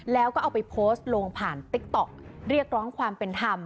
แล้วก็เอาไปโพสต์ลงผ่านติ๊กต๊อกเรียกร้องความเป็นธรรม